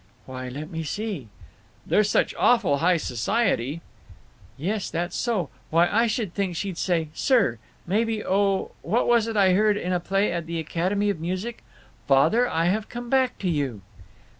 "Why—let me see—" "They're such awful high society—" "Yes, that's so. Why, I should think she'd say 'sir.' Maybe oh, what was it I heard in a play at the Academy of Music? 'Father, I have come back to you!